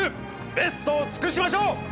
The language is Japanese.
ベストを尽くしましょう！